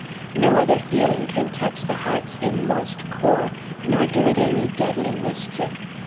No other feeling can touch the heart's inmost core, nor do it any deadly mischief.